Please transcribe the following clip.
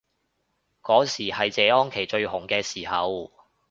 嗰時係謝安琪最紅嘅時候